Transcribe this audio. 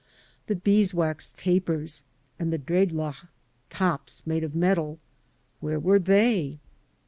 The bee's wax tapers and the drecUach ("tops" made of metal), where were they?